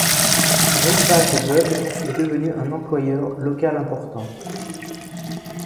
L'élevage de bœuf est ensuite devenu un employeur local important.